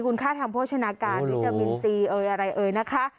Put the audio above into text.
คุณค่าทางโภชนาการวิทยาลัยมินทรีย์เอ่ยอะไรเอ่ยนะคะ